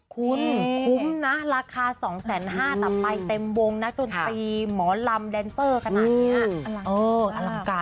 คุณคุ้มนะราคา๒๕๐๐บาทแต่ไปเต็มวงนักดนตรีหมอลำแดนเซอร์ขนาดนี้